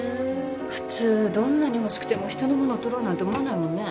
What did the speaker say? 普通どんなに欲しくても人の物とろうなんて思わないもんね。